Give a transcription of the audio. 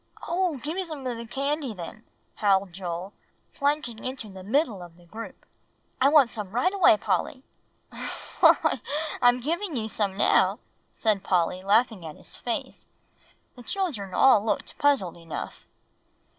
"Oh! give me some of the candy then," howled Joel, plunging into the middle of the group. "I want some right away, Polly." "Why, I'm giving you some now," said Polly, laughing at his face. The children all looked puzzled enough.